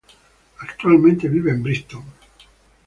Actualmente vive en Brighton.